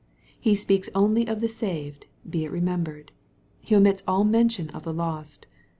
He speaks only of the saved, be it remembered. He omits all mention of the lost.